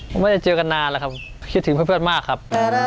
ผมไม่ได้เจอกันนานแล้วครับคิดถึงเพื่อนมากครับ